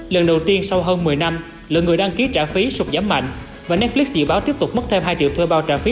lần đầu tiên sau hơn một mươi năm lượng người đăng ký trả phí sụt giảm mạnh và netflix dự báo tiếp tục mất thêm hai triệu thuê bao trả phí